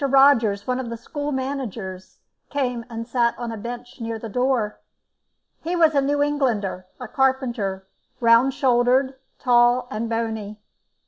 Rogers, one of the school managers, came and sat on a bench near the door. He was a New Englander, a carpenter, round shouldered, tall and bony.